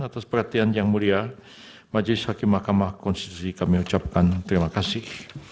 atas perhatian yang mulia majelis hakim mahkamah konstitusi kami ucapkan terima kasih